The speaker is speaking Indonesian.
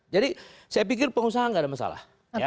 jadi saya pikir pengusaha tidak ada masalah